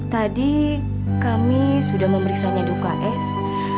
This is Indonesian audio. tadi kami sudah memeriksa nyaduk as